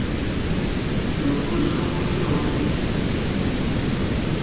Tsùù fɨswo kɨswoŋǝ.